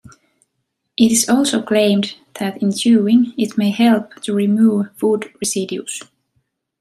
It is also claimed that in chewing, it may help to remove food residues.